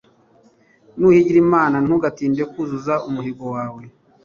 nuhigira imana, ntugatinde kuzuza umuhigo wawe